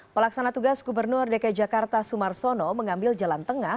pelaksana tugas gubernur dki jakarta sumarsono mengambil jalan tengah